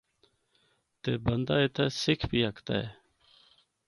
تے بندہ اِتھا سکھ بھی ہکدا اے۔